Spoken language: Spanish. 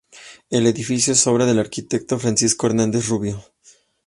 El edificio es obra del arquitecto Francisco Hernández Rubio.